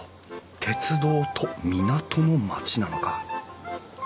鉄道と港の町なのか。